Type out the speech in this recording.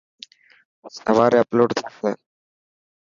سواري اپلوڊ ٿيسي.